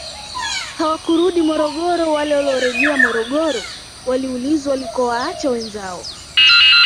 Hawakurudi Morogoro wale waliorejea Morogoro waliulizwa walikowaacha wenzao